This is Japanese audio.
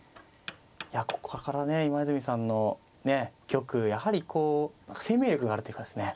いやここからね今泉さんのね玉やはりこう生命力があるというかですね。